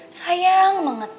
enggak boleh bareng bareng terus